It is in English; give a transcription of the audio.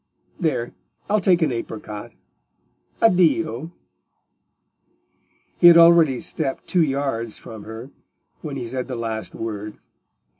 There—I'll take an apricot. Addio!" He had already stepped two yards from her when he said the last word.